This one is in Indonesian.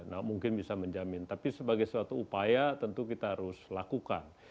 nah mungkin bisa menjamin tapi sebagai suatu upaya tentu kita harus lakukan